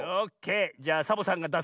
じゃサボさんがだすぞ。